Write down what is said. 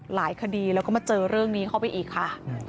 หลายคดีแล้วก็มาเจอเรื่องนี้เข้าไปอีกค่ะ